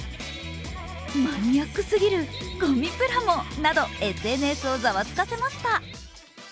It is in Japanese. マニアックすぎる、ゴミプラモなどＳＮＳをざわつかせました。